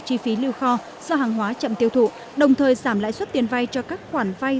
chi phí lưu kho do hàng hóa chậm tiêu thụ đồng thời giảm lãi suất tiền vay cho các khoản vay